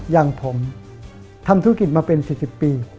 อย่างผมทำธุรกิจมาเป็น๔๐ปี